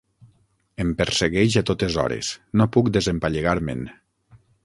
Em persegueix a totes hores: no puc desempallegar-me'n.